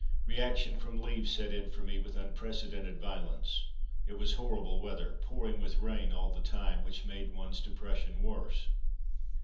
Reaction from leave set in for me with unprecedented violence. It was horrible weather, pouring with rain all the time, which made one's depression worse.